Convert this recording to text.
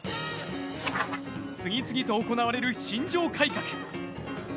次々と行われる新庄改革。